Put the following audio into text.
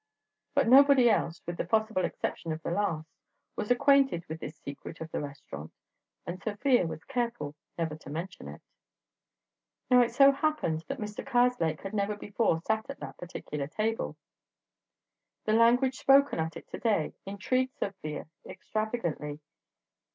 But nobody else (with the possible exception of the last) was acquainted with this secret of the restaurant, and Sofia was careful never to mention it. Now it so happened that Mr. Karslake had never before sat at that particular table. The language spoken at it to day intrigued Sofia extravagantly.